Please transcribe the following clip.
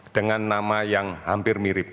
dengan nama yang hampir mirip